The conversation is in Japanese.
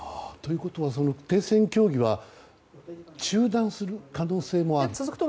ということは停戦協議は中断する可能性もある？